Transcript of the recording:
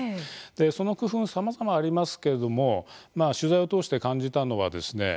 その工夫はさまざまありますけれども取材を通して感じたのはですね